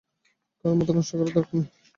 কারো মাথা নষ্ট করার দরকার নেই।